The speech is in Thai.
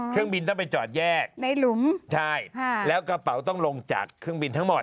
เครื่องบินต้องไปจอดแยกในหลุมใช่ค่ะแล้วกระเป๋าต้องลงจากเครื่องบินทั้งหมด